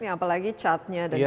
apalagi catnya dan juga